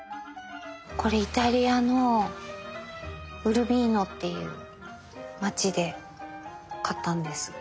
これイタリアのウルビーノっていう街で買ったんです。